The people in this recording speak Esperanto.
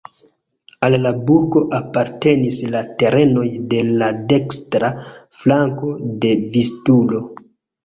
Al la burgo apartenis la terenoj de la dekstra flanko de Vistulo.